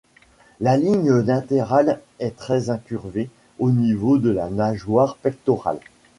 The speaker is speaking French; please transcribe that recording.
La ligne latérale est très incurvée au niveau de la nageoire pectorale.